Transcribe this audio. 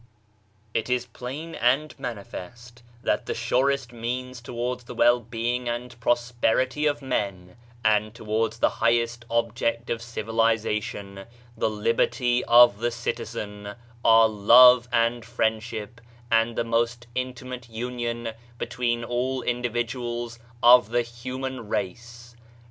It is plain and manifest that the surest means towards the well being and prosperity of men, and towards the highest object of civilization, the liberty of the citizen, are love and friendship and the most intimate union between all individuals of the human race.